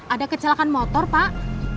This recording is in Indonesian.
ada kecelakaan motor pak